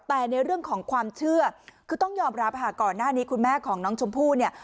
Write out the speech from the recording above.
แต่ในเรื่องของความเชื่อคือต้องยอมรับค่ะก่อนหน้านี้คุณแม่ของน้องชมพู่เนี่ย